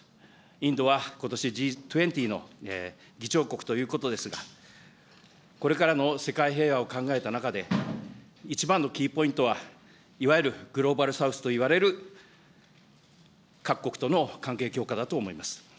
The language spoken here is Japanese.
インドはことし、Ｇ２０の議長国ということですが、これからの世界平和を考えた中で、一番のキーポイントは、いわゆるグローバル・サウスといわれる各国との関係強化だと思います。